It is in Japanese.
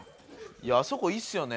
いやあそこいいですよね。